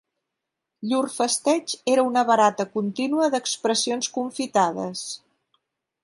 Llur festeig era una barata contínua d'expressions confitades.